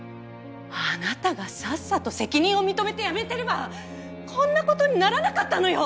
あなたがさっさと責任を認めて辞めてればこんな事にならなかったのよ！